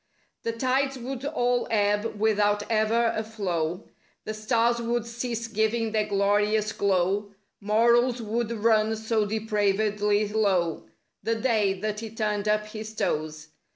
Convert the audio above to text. The tides would all ebb without ever a flow; The stars would cease giving their glorious glow; Morals would run so depravedly low— The day that he turned up his toes.